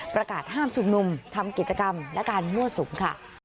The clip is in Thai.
ประกาศห้ามชุมนุมทำกิจกรรมและการมั่วสุมค่ะ